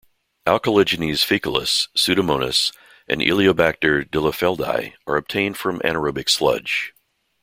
"Alcaligenes faecalis", "Pseudomonas", and "Illyobacter delafieldi", are obtained from anaerobic sludge.